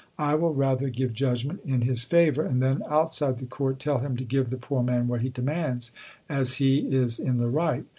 I will rather give judgement in his favor, and then, outside the court, tell him to give the poor man what he demands, as he is in the right.'